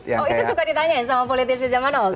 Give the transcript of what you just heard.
oh itu suka ditanyain sama politisi zaman now